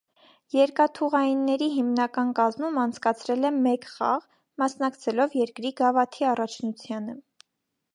«Երկաթուղայինների» հիմնական կազմում անցկացրել է մեկ խաղ՝ մասնակցելով երկրի գավաթի առաջնությանը։